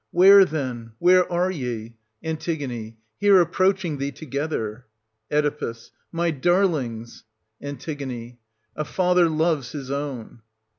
Where, then, where are ye? An. Here ap proaching thee together. Oe. My darlings ! An. A father loves his own.